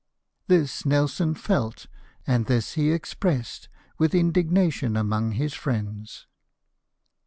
This Nelson felt, and this he ex pressed with indignation among his friends.